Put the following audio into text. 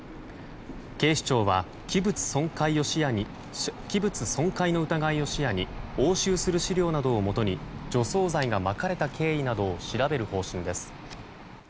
警視庁は器物損壊の疑いを視野に押収する資料などをもとに除草剤がまかれた経緯などを調べる方針です。